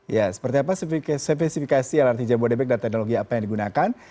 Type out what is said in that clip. ya seperti apa spesifikasi lrt jabodebek dan teknologi apa yang digunakan